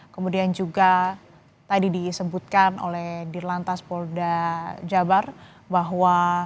kemudian juga tadi disebutkan oleh dirlantas polda jabar bahwa